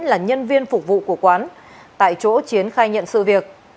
là nhân viên phục vụ của quán tại chỗ chiến khai nhận sự việc